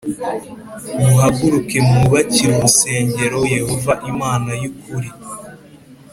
muhaguruke mwubakire urusengeroi Yehova Imana y ukuri